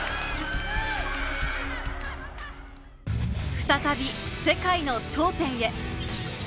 再び世界の頂点へ。